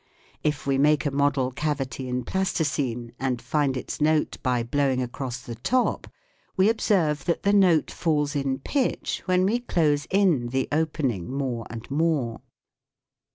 If we make a model cavity in plasticine and find its note by blowing across the top, we observe that the note falls in pitch when we close in the opening more and more.